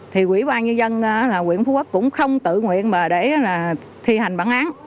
thì ủy ban nhân dân huyện phú quốc cũng không tự nguyện mà để thi hành bản án